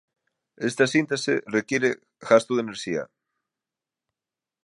Esta síntese require gasto de enerxía.